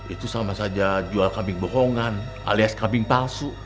itu sama saja jual kambing bohongan alias kambing palsu